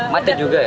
macet juga ya